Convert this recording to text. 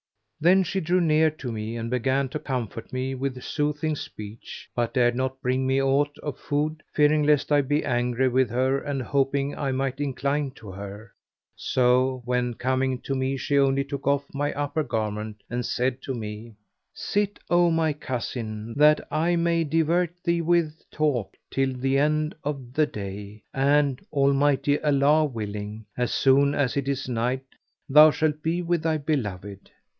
"' Then she drew near to me and began to comfort me with soothing speech, but dared not bring me aught of food, fearing lest I be angry with her and hoping I might incline to her; so when coming to me she only took off my upper garment and said to me, "Sit O my cousin, that I may divert thee with talk till the end of the day and, Almighty Allah willing, as soon as it is night thou shalt be with thy beloved."